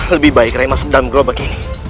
lebih baik rai masuk dalam gelobak ini